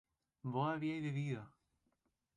¿vos habías bebido?